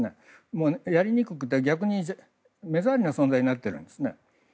もう、やりにくくて逆に目障りな存在になっているんですね。